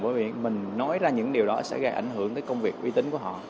bởi vì mình nói ra những điều đó sẽ gây ảnh hưởng tới công việc uy tín của họ